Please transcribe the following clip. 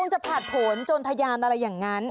จะผ่านผลจนทะยานอะไรอย่างนั้น